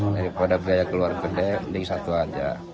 daripada biaya keluarga mending satu aja